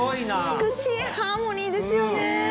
美しいハーモニーですよね。